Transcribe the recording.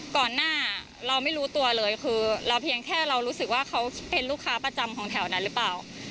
ก่อนหน้าเราไม่รู้ตัวเลยคือเราเพียงแค่เรารู้สึกว่าเขาเป็นลูกค้าประจำของแถวนั้นหรือเปล่า